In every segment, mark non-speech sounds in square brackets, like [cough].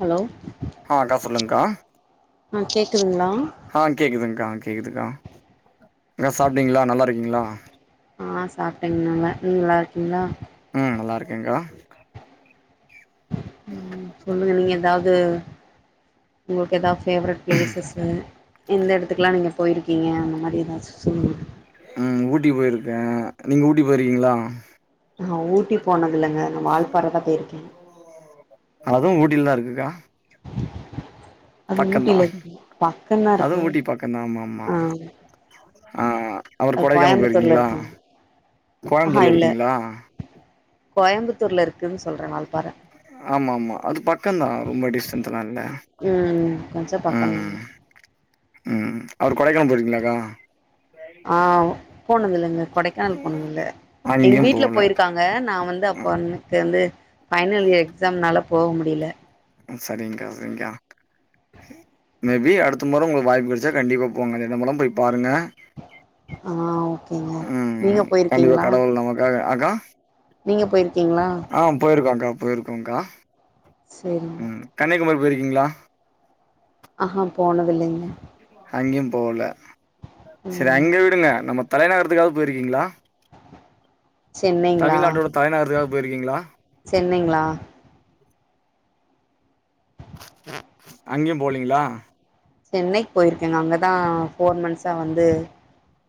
Hello ஆ அக்கா சொல்லுங்க்கா ஆ கேக்குதுங்ளா அ கேக்குதுங்க்கா கேக்குதுக்கா என சாப்ட்டீங்ளா நல்லா இருக்கீங்ளா அ சாப்ட்டேங் நல்ல நீங்க நல்லா இருக்கீங்ளா ம் நல்லா இருக்கேங்க்கா ம் சொல்லுங்க நீங்க ஏதாவ்து உங்ளுக்கு எதா ஃபேவரெட் ப்ளேசஸு எந்த எடத்துக்குலா நீங்க போயிருக்கீங்க அந்த மாரி எதாச்சு சொல்லுங்க ம் ஊட்டி போயிருக்கே நீங்க ஊட்டி போயிருக்கீங்ளா அ ஊட்டி போனது இல்லங்க நா வால்பாறதா போயிருக்கே அதுவு ஊட்யிடில தா இருக்குக்கா அது பக்கந்தா ஊட்டில இருக்கு பக்கந்தா இருக்கு அதுவு ஊட்டி பக்கந்தா ஆமா ஆமா ஆ அ அப்றோ அது கொடைக்கானல் கோயம்புத்தூர்ல போயிருக்கீங்ளா இருக்குங்க ஆஹா கோயம்புத்தூர்ல இல்ல இருக்கீங்ளா கோயம்புத்தூர்ல இருக்குன் சொல்றே வால்பாற ஆமா ஆமா அது பக்கந்தா ரொம்ப டிஸ்டன்ஸ்ல்லா இல்ல ம் கொஞ்ச பக்கந்தா ம் ம் அவர் கொடைக்கானல் போயிருக்கீங்களாக்கா ஆ போனதுல்லங்க கொடைக்கானல் போனதில்ல எங்க அங்கயு வீட்ல போல போய்ருக்காங் க நா வந்து அப்போ அன்னைக்கு வந்து ஃபைனல் இயர் எக்ஸாம்னால போக முடியல ஆ சரிங்க்கா சரிங்க்கா மேபி அடுத்த மொற உங்களுக்கு வாய்ப்பு கெடச்சா கண்டிப்பா போங்க எடமெல்லா போய் பாருங்க ஆ ஓகேங்க ம் நீங்க கண்டிப்பா போய்ருக்கீங்ளா கடவுள் நமக்காக அக்கா நீங்க போயிருக்கீங்ளா அ போயிருக்கோங்க்கா போயிருக்கோங்க்கா சரிங்க ம் கன்னியாகுமரி போயிருக்கீங்ளா அஹா போனதில்லைங்க அங்யு போல சரி ம் அங்க விடுங்க நம்ம தலைநகரத்துக்காவது போயிருக்கீங்ளா சென்னைங்களா தமிழ்நாட்டோட தலைநகர்த்துக்காது போயிருக்கீங்ளா சென்னைங்ளா அங்கயு போலீங்ளா சென்னைக்கு போயிருக்கங்க அங்கதா ஃபோர் மந்த்ஸா வந்து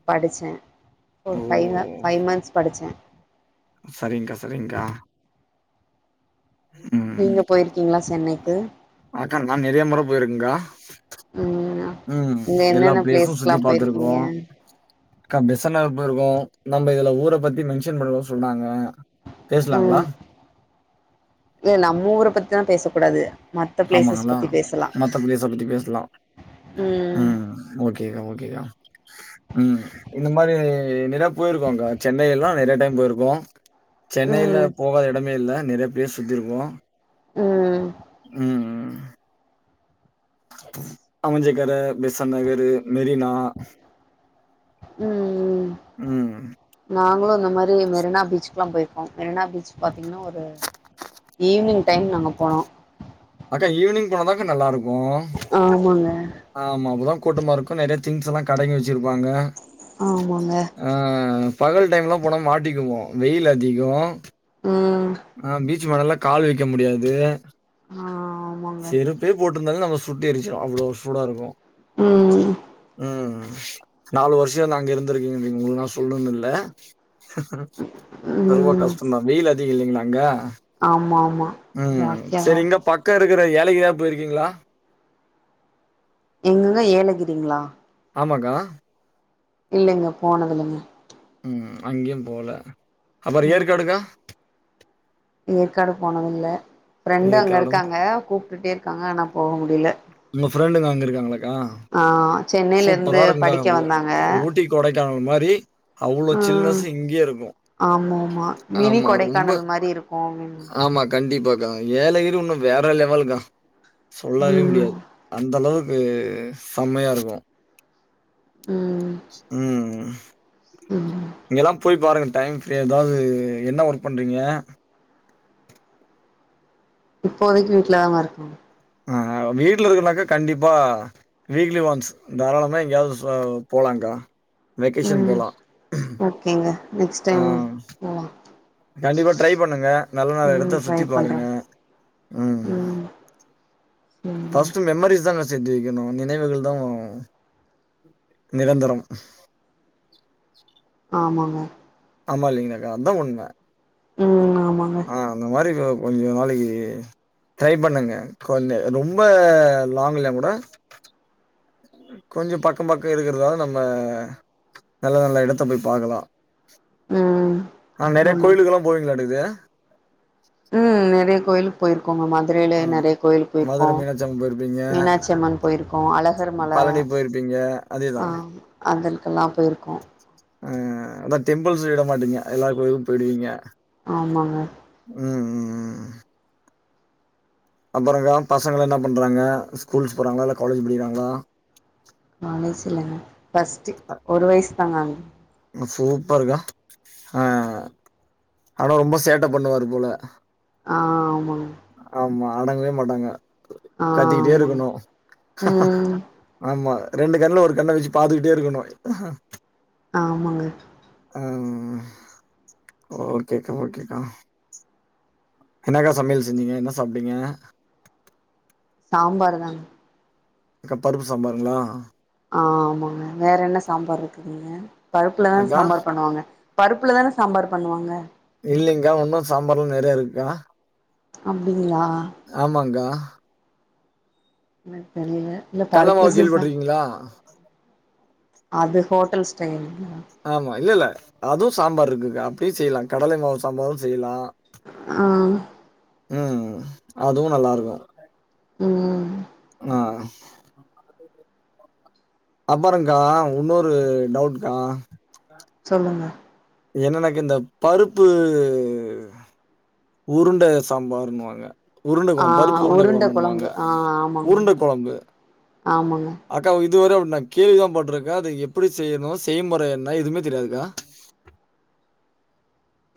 படிச்ச ஓ ஒரு ஃபைவ்வ ஃபைவ் மந்த்ஸ் படிச்ச சரிங்க்கா சரிங்க்கா ம் நீங்க போயிருக்கீங்ளா சென்னைக்கு அக்கா நா நெறிய முற போயிருக்கங்க்கா ம் ம் அங்க எல்லா என்னென்ன ப்ளேஸு சுத்தி பிளேஸ்க்குலா பாத்திருக்கோ போயிருக்கீங்க அக்கா பெசன் நகர் போய்ருக்கோ நம்ம இதுல ஊரப் பத்தி மென்ஷன் பண்ணக்கூடாது சொன்னாங்க பேசலாங்களா ம் ஏ நம்ம ஊரப் பத்திதா பேச கூடாது ஆமாங்களா மத்த ப்ளேஸ பத்தி பேசலா ம் ஓகேக்கா ஓகேக்கா ம் இந்த மாரி நெறா போயிருக்கோங்க்கா சென்னையெல்லா நெறைய டைம் போயிருக்கோ சென்னையில ம் போகாத எடமே இல்ல நெறைய ப்ளேஸ் சுத்திருக்கோ ம் ம் ம் ம் அமஞ்சக்கர பெசன் நகரு மெரினா உ நாங்களு இந்த மாரி மெரினா பீச்க்குல்லா போய் அ மெரினா பீச் பாத்தீங்கன்னா ஒரு ஈவ்னிங் டைம் நாங்க போனோ அக்கா ஈவ்னிங் போனாதாக்கா நல்லாருக்கு ஆமாங்க ஆமா அப்பதா கூட்டமா இருக்கு நெறையா திங்ஸ் எல்லா கடைங்க வச்சிருப்பாங்க ஆமாங்க அ பகல் டைம்லா போனா மாட்டிக்குவோ வெயில் அதிகோ ஆ ஆ பீச் மணல்ல கால் வைக்க முடியாது ஆ செருப்பே போட்ருந்தாலு நம்ம சுட்டெரிச்சிரு அவ்ளோ சூடாருக்கு ம் அ நாலு வருஷோ நா அங்க இருந்திருக்கங்க நீங்க உங்களுக்குல்லா சொல்னுன் இல்ல ரொம்ப ம் கஷ் டோந்தா வெயில் அதிகோ இல்லைங்களா அங்க ஆமா ஆமா ம் ஜாஸ்தியாதான் செரி இங்க இருக்கும் பக்கம் இருக்கிற ஏலகிரி போயிருக்கீங்களா எங்கங்க ஏலகிரிங்களா ஆமாக்கா இல்லைங்க போனதில்லைங்க ம் அங்கயும் போல அப்றோ ஏற்காடுக்கா ஏற்காடு போனத இல்ல ஃப்ரெண்டும் அங்க ஏற்காடும் போ இருக்காங்க கூப்ட்டுட்டே இருக்காங்க ஆனா போக முடில உங்க ஃப்ரெண்டுங்க அங்கே இருக்காங்களாக்கா சென்னையில இருந்து சூப்பரா இருக்குங்க்கா படிக்க வந்தாங்க ஊட்டி கொடைக்கானல் மாரி அவ்ளோ ம் சில்னஸ் இங்கேயே இருக்கும் ஆமா ஆமா மினி ஆமா. ரொம்ப கொடைக்கானல் மாதிரி இருக்கும் ஆமா. கண்டிப்பாக்கா ஏலகிரி ஒன்னும் வேற லெவலுகா சொல்லவே ம் முடியாது அந்த அளவுக்கு செம்மையா இருக்கும் ம் ம் ம் இங்கல்லாம் போய் யி பாருங்க டைம் எதாவது என்ன ஒர்க் பண்றீங்க இப்போதைக்கு வீட்லதாங்கே இருக்கே ஆ ஆ வீட்ல இருக்கேனாக்கா கண்டிப்பா வீக்லி ஒன்ஸ் தாராளமா எங்கயாவது சோ போலக்கா ம் ஓகேங்க நெக்ஸ்ட் ஆ டைம் போலா கண்டிப்பா ட்ரை பண்ணுங்க நல்ல நல்ல ம் எடத்த ட்ரை சுத்தி பண்றே பாருங்க ம் ம் ஃப்ஸ்ட் மெமரிஸ் தாங்க சேத்து வைக்கணும் நினைவுகள் தான் நிரந்தரம் ஆமாங்க ஆமா இங்க அதான் உண்மை ம் ஆமாங்க ஆ அந்த மாதிரி கொஞ்சம் நாளைக்கு ட்ரை பண்ணுங்க கொஞ்சோ ரொம்ப லாங் இல்லையா கூட கொஞ்சம் பக்கம் பக்கம் இருக்கிறதுதால நம்ம நல்ல நல்ல எடத்த போய் பாக்கலாம் ம் ஆ நெறைய ஆமாங்க கோயிலுக்கல்லாம் போவீங்களா அடுக்குது ம் நெரைய கோயிலு போயிருக்கோங்க மதுரைல ஆ நெறைய கோயிலு போயிருக்கோ மதுரை மீனாட்சி அம்மன் போயிருப்பீங்க, மீனாட்சி அம்மன் போயிருக் அப்போ அழகர் மல பழனி போயிருப்பீங்க. அதேதான். அதக்கெல்லா போயிருக்கோ ஆ அதா டெம்பிள்ஸ விட மாட்டீங்க எல்லா கோயிலு போயிடுவீங்க ஆமாங்க ம் ம் ம் அப்றங்க்கா பசங்க என்ன பண்றாங்க ஸ்கூல்ஸ் போறாங்ளா இல்ல காலேஜ் படிக்கிறாங்களா காலேஜ் இல்லங்க ஃபர்ஸ்ட்டு ஒரு வயசு தாங்க அங்க சூப்பர்க்கா ஆ ஆனா ரொம்ப சேட்ட பண்ணுவாரு போல ஆ ஆமா ஆமா அடங்கவே மாட்டாங்க ஆ கத்திக்கிட்டே ஆமாங்க இருக்கணு ம் ஆமா ரெண்டு கண்ணுல ஒரு கண்ண வச்சு பாத்துக்கிட்டே இருக்கணு ஆ ஆமாங்க ஆ ஓகேக்கா ஓகேக்கா என்னக்கா சமையல் செஞ்சீங்க என்ன சாப்ட்டீங்க சாம்பார் தான் அக்கா பருப்பு சாம்பாருங்களா ஆமாங்க வேற என்ன சாம்பார் இருக்குதுங்க பருப்புலதா அக்கா சாம்பார் பண்ணுவாங்க பருப்புல தானே சாம்பார் பண்ணுவாங்க இல்லங்கா ஒன்னோ சாம்பார்ல்லா நிறைய இருக்கா அப்டிங்களா ஆமாங்கா என்ன தெரியல இல்ல கடல மாவு பருப்புசிசா கேள்விப்பட்டுருக்கீங்களா? அது ஹோட்டல் ஸ்டைல் ஆமா இல்ல இல்ல அதுவு சாம்பார் இருக்கு அப்டியு செய்யலா கடல மாவு சாம்பாரு செய்யலா ஆ ம் அதுவு நல்லா இருக்கு ம் ஆ அப்பொறங்கா இன்னொரு டவுட்கா சொல்லுங்க என்ன எனக்கு இந்த பருப்பு ம் உருண்ட சாம்பார்னுவாங்க உருண்ட ஆ கொழம்பு பருப்பு உருண்ட கொழம்புண்ணுவாங்க கொழம்பு ஆ ஆமாங்க உருண்ட கொழம்பு ஆமாங்க அக்கா இதுவர அப்டி நா கேள்வி தா பட்ருக்கே எப்டி செய்யணு செய்மொற என்ன எதுமே தெரியாதுக்கா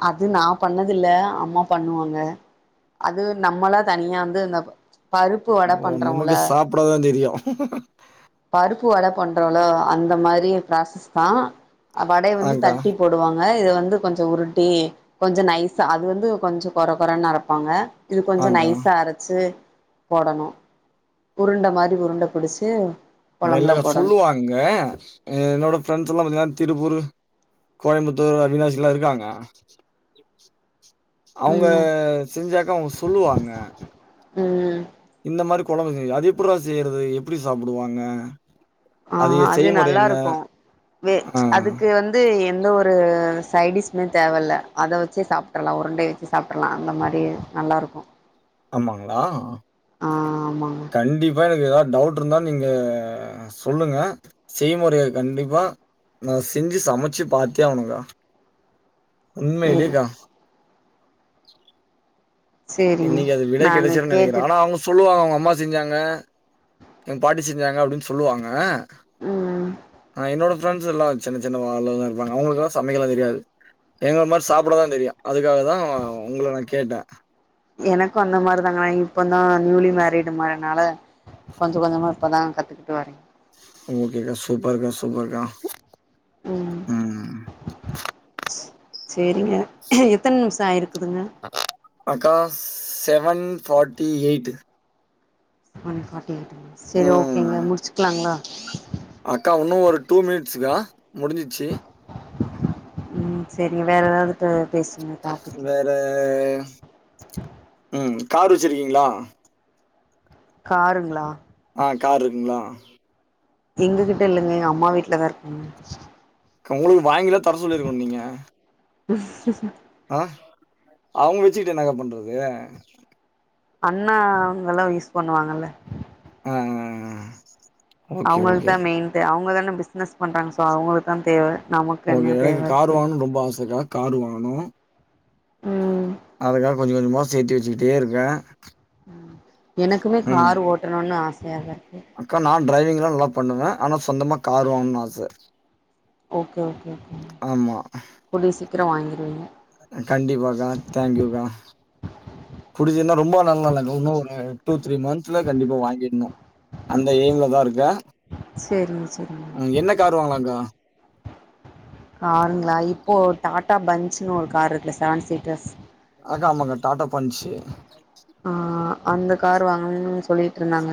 அது நா பண்ணதில்ல அம்மா பண்ணுவாங்க அது நம்மளா தனியா வந்து இந்த பருப்பு வட பண்றோம்ல அப்ற தா தெரியு பருப்பு வட பண்றோள அந்த மாரி ப்ராசஸ் தா வடைய வந்து ஆங்க்கா, தட்டி போடுவாங்க இத வந்து கொஞ்ச உருட்டி கொஞ்ச நைஸா அது வந்து கொஞ்ச கொற கொறன்னு அறப்பாங்க இது கொஞ்ச ஆங்க்கா. நைஸா அரச்சி போடணு உருண்ட மாரி உருண்ட புடிச்சு அத கொழம்புல இல்லக்க போடணு சொல்லுவாங்க என்னோட ஃப்ரெண்ட்ஸ் எல்லா பாத்தீங்கன்னா திருப்பூரு கோயம்புத்தூர் அவினாசிலா இருக்காங்க அவுங்க ம் செஞ்சாக்க அவுங்க சொல்லுவாங்க ம் இந்த மாரி கொழம்பு செய் அது எப்புரா செய்யிறது எப்புடி சாப்புடுவாங்க ஆ அது நல்லாருக்கு வே ஆ. அதுக்கு வந் து எந்த ஒரு சைடிஷ்மே தேவயில்ல அத வச்சே சாப்டர்லா உருண்டைய வச்ச சாப்டுர்லா அந்த மாரி நல்லாருக்கு ஆமாங்ளா ஆ ஆமாங்க கண்டிப் ப்பா எனக்கு ஏதாது டவுட் இருந்தா நீங்க சொல்லுங்க செய்முறைய கண்டிப்பா நா செஞ்சு சமைச்சு பாத்தே ஆவனுங்கா சேரி உண்மையிலேகா சேரிங்க இன்னக்கி அது விடை நானு கெடைச்சிருன்னு நெனகிறே கேட்டுட்டு ஆனா அவுங்க சொல்லுவாங்க அவுங்க அம்மா செஞ்சாங்க எங்க பாட்டி செஞ்சாங்க அப்டின்னு சொல்லுவாங்க ம் ஆ என்னோட ஃப்ரெண்ட்ஸ் எல்லா சின்ன சின்ன வாள்லதா இருப்பாங்க அவுங்களுக்குல்லா சமைக்கலா தெரியாது எங்கள மாரி சாப்புட தா தெரியு அதுக்காக தா உங்கள நா கேட்டே எனக்கு அந்த மாரி தாங்க நா இப்ப தா நியூலி மேரிடு மாரனால கொஞ்ச கொஞ்சமா இப்பதா கத்துக்கிட்டு வாரேன் ஓகேகா சூப்பர்கா சூப்பர்கா ம் செரிங்க எத்தன நிமிஷம் ஆயிருக்குதுங்க அக்கா seven forty eight one forty eight சரி ம் ஓகேங்க முடிச்சுக்லாங்களா அக்கா ஒன்னு ஒரு டூ மினிட்ஸுக்கா முடிஞ்சிச்சு ம் சேரிங்க வேற ஏதாது பேசுங்க டாபிக்கு த ம் கார் வச்சிருக்கீங்ளா காருங்ளா ஆ கார் இருக்குங்ளா எங்ககிட்ட இல்லங்க எங்க அம்மா வீட்ல தான் இருக்குங்க கா உங்களுக்கு வாங்கிலா தர சொல்லிருக்கனு நீங்க [inaudible] ஆ அவுங்க வச்சுக்கிட்டு என்னக்கா பண்றது அண்ணா அவுங்கல்லா யூஸ் பண்ணுவாங்கல்ல ஆ ஆ ஆ அவுங்களுக்கு தா மெயின் தே அவுங்க தானே பிஸ்னஸ் பண்றாங்க சோ அவுங்களுக்கு தா தேவ நமக்கு ஓகே என்ன தேவ எனக்கு கார் இருக்கு வாங்கணும் ரொம்ப ஆசக்கா காரு வாங்கணு ம் அதுக்காக கொஞ்சம் கொஞ்சமா சேத்து வச்சுக்கிட்டே இருக்கே அ எனக்குமே கார் ஓட்டணும்னு ஆசையா தா இருக்கு அக்கா நா டிரைவிங்லா நல்லா பண்ணுவே ஆனா சொந்தமா கார் வாங்கணும் ஆச ஓகே ஓகே ஓகே ஆமா கூடிய சீக்கிரொ வாங்கிர்வீங்க கண்டிப்பாக்கா தேங்க்யூக்கா புடிச்சதுன்னா ரொம்ப நாள்லா இல்ல இன்னும் ஒரு டூ த்ரீ மந்த்ஸ்ல கண்டிப்பா வாங்கிட்ணும் அந்த எய்ம்ல தா இருக்க உ என்ன காரு வாங்களாங்க்கா [inaudible] காருங்ளா இப்போ டாடா பஞ்சுன்னு ஒரு கார் இருக்குல்ல செவன் சீட்டர்ஸ் அக்கா ஆமாக்கா டாட்டா பஞ்ச் அ அந்த கார் வாங்கணும் சொல்லிட்டுருந்தாங்க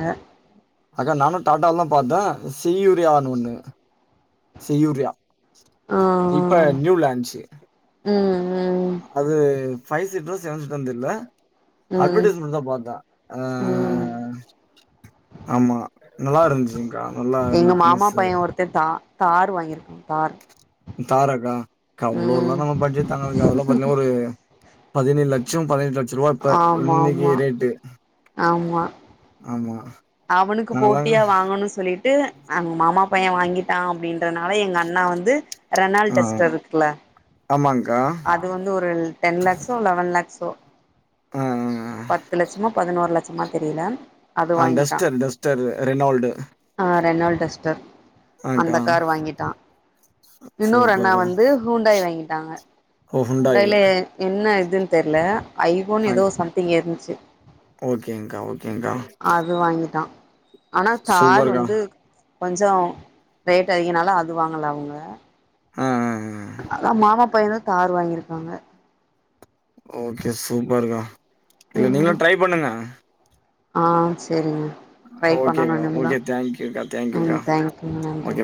அக்கா நானு டாட்டான் பாத்தேன் செய்யூரியனு ஒன்னு செய்யூரியா ஆ இப்ப நியூ லாஞ்ச் ம் ம் அது ஃபைவ் சீட்ட்ர் செவன் சீட்டரானு தெர்ல ம் அட்வர்டைஸ்மென்ட்ல தா பாத்தே அ ம் ஆமா நல்லா இருந்துச்சுங்க்கா நல்லா லுக்னஸ் த தார் வாங்கியிருக்கோம் தார் தாராக்கா கா அவ்ளோ எல்லா ம் நம்ம பட்ஜெட் ததுக்காெல்லாம் பாத்தீன்னா ஒரு பதினேழு லெக் ட்சம் பதினெட்டு லட்சம் ரூபா இப்ப ஆமா இன்னைக்கு ஆமா ரேட்டு ஆமா ஆமா அவனுக்கு நாங்கலாம் போட்டியா வாங்கணும்னு சொல்லி ட்டு அவங்க மாமா பையன் வாங்கிட்டான் அப்டின்றதுனால எங்க அண்ணா வந்து ரெனால் ஆ டஸ்டர் இருக்குல ஆமாங்க்கா. அது வந்து ஒரு டென் லேக்ஸோ லெவன் லேக்ஸோ ஆ ஆ ஆ பத்து லட்சமா பதினோரு லட்சமா தெரியல அது ஆ வாங்கிட்டா டஸ்டர் டஸ்டர் ரெனோல்டு ஆ ரெனால்டஸ்டர் அந்த ஆங்க்கா. கார் வாங்கிட்டா இன்னொரு அண்ணா சூப்பர்க்கா. வந்து ஹூண்டாய் வாங்கிட்டாங்க ஓ! ஹூண்டாய்ல என்ன இதுன் தெர்ல ஐ ஒன் ஆங் ஏதோ சம்திங் இருந்ச்சு ஓகேங்க்கா ஓகேங்க்கா அது வாங்கிட்டா ஆனா தார் சூப்பர்க்கா. வந்து கொஞ்ச ரேட் அதிகனால அது வாங்கல அவங்க ஆ ஆ அ அ மாமா பையனு தார் வாங்கிருக்காங்க ஓகே சூப்பர்க்கா இல்ல ம் நீங்களு ட்ரை பண்ணுங்க ஆ செரிங்க ட்ரை பண்ணணு இன்னிக்தா தேங்க்யூ கா தே ம் தேங்க்யூ நன்றி